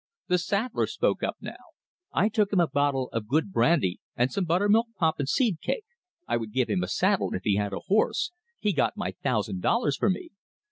The saddler spoke up now. "I took him a bottle of good brandy and some buttermilk pop and seed cake I would give him a saddle if he had a horse he got my thousand dollars for me!